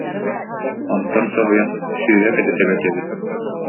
Онтон соһуйан: «Сүүһэ кэтитэ бэрт эбит»